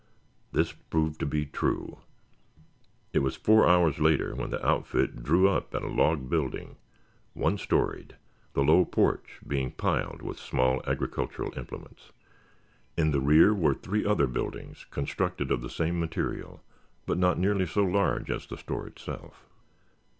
This proved to be true. It was four hours later when the outfit drew up at a log building, one storied, the low porch being piled with small agricultural implements. In the rear were three other buildings constructed of the same material, but not nearly so large as the store itself.